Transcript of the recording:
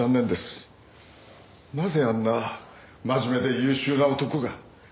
なぜあんな真面目で優秀な男が。